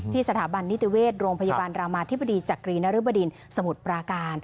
สถาบันนิติเวชโรงพยาบาลรามาธิบดีจักรีนรบดินสมุทรปราการ